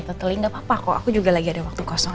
teteling gak apa apa kok aku juga lagi ada waktu kosong